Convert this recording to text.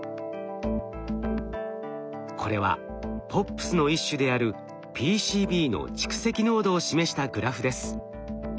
これはＰＯＰｓの一種であるＰＣＢの蓄積濃度を示したグラフです。